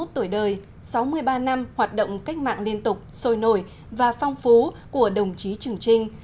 sáu mươi tuổi đời sáu mươi ba năm hoạt động cách mạng liên tục sôi nổi và phong phú của đồng chí trường trinh